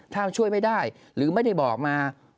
ถ้าช่วยไม่ได้หรือไม่ได้บอกมา